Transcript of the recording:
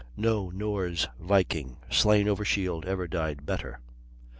No Norse Viking, slain over shield, ever died better.